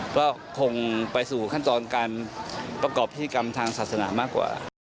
เพราะว่าคงไปสู่ขั้นตอนประกอบพิธีกรรมทางศาสนามกว่า